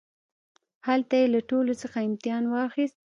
هلته يې له ټولوڅخه امتحان واخيست.